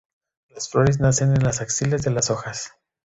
Las flores nacen en las axilas de las hojas.